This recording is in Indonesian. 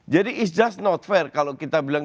jadi just not fair kalau kita bilang